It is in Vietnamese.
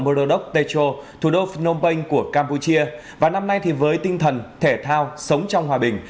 moralk techo thủ đô phnom penh của campuchia và năm nay thì với tinh thần thể thao sống trong hòa bình